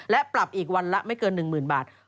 และปรับอีกวันละไม่เกิน๑๐๐๐บาท